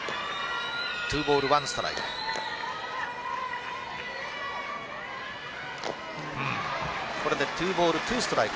２ボール１ストライク。